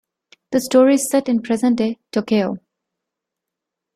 The story is set in present-day Tokyo.